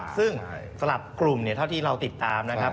ซึ่งสำหรับกลุ่มเท่าที่เราติดตามนะครับ